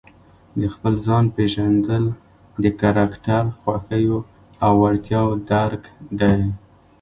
د خپل ځان پېژندل د کرکټر، خوښو او وړتیاوو درک دی.